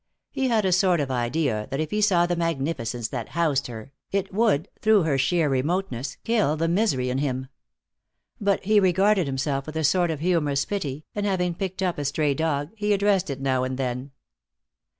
He had a sort of idea that if he saw the magnificence that housed her, it would through her sheer remoteness kill the misery in him. But he regarded himself with a sort of humorous pity, and having picked up a stray dog, he addressed it now and then.